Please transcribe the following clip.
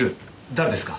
誰ですか？